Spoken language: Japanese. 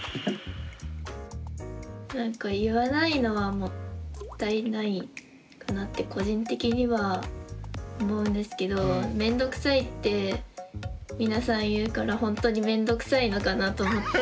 なんか言わないのはもったいないかなって個人的には思うんですけどメンドくさいって皆さん言うからほんとにメンドくさいのかなと思って。